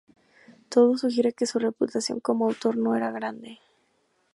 Todo sugiere que su reputación como autor no era grande.